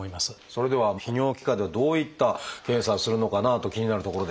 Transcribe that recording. それでは泌尿器科ではどういった検査をするのかなと気になるところですが。